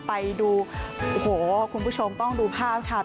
ไปดูโอ้โหคุณผู้ชมต้องดูภาพค่ะ